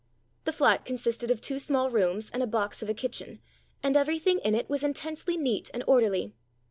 The flat consisted of two small rooms and a box of a kitchen, and everything in it was intensely neat and orderly.